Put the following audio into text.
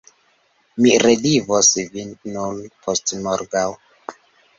Mi revidos vin nur postmorgaŭ.